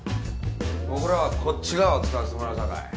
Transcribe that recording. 僕らはこっち側を使わせてもらうさかい。